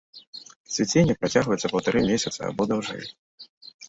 Цвіценне працягваецца паўтара месяца або даўжэй.